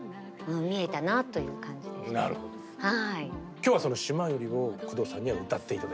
今日はその「島より」を工藤さんには歌って頂けると。